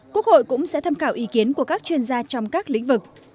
quốc hội cũng sẽ tham khảo ý kiến của các chuyên gia trong các lĩnh vực